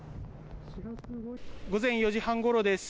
午前４時半ごろです。